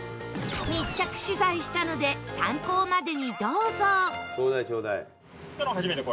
密着取材したので参考までにどうぞ